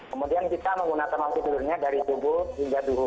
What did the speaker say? kemudian kita menggunakan maksimalnya dari jubur hingga duhur